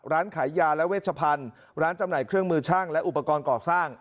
ร้านขายยาและเวชพันธุ์ร้านจำหน่ายเครื่องมือช่างและอุปกรณ์ก่อสร้าง